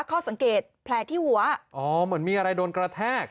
ข้อสังเกตแผลที่หัวอ๋อเหมือนมีอะไรโดนกระแทก